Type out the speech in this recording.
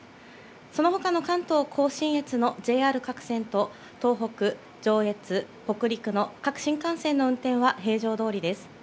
そのほかの関東甲信越のＪＲ各線と、東北、上越、北陸の各新幹線の運転は平常どおりです。